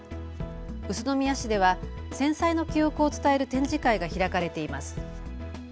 宇都宮市では戦災の記憶を伝える展示会が開かれています。